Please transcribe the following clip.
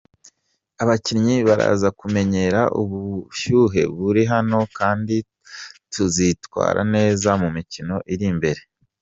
Abakinnyi baraza kumenyera ubushyuhe buri hano kandi tuzitwara neza mu mikino iri imbere.